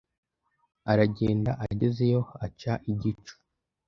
Aragenda agezeyo aca igico.